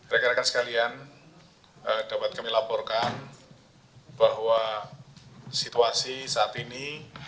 rekan rekan sekalian dapat kami laporkan bahwa situasi saat ini